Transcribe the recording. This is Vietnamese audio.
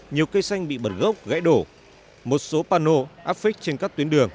nhiều cây xanh bị bật gốc gãy đổ một số pano áp phích trên các tuyến đường